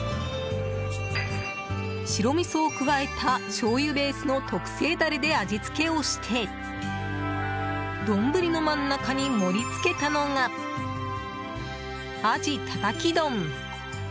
白みそを加えたしょうゆベースの特製ダレで味付けをして丼の真ん中に盛り付けたのがあじたたき丼。